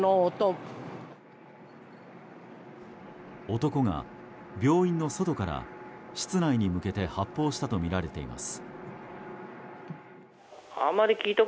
男が病院の外から室内に向けて発砲したとみられています。